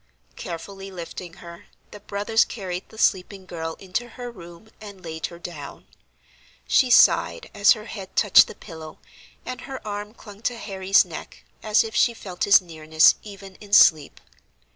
Carefully lifting her, the brothers carried the sleeping girl into her room, and laid her down. She sighed as her head touched the pillow, and her arm clung to Harry's neck, as if she felt his nearness even in sleep.